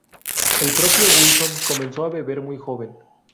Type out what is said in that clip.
El propio Wilson comenzó a beber muy joven.